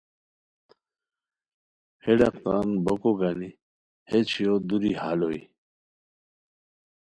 ہے ڈاق تان بوکو گانی ہے چھویو دوری ہال ہوئے